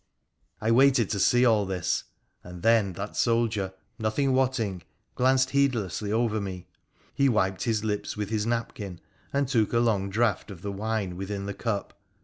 I waited to see all this, and then that soldier, nothing wotting, glanced heedlessly over me — he wiped his lips with his napkin, and took a long draught of the wine within the cup.